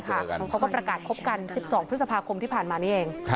เขาก็ประกาศคบกัน๑๒พฤษภาคมที่ผ่านมานี้เอง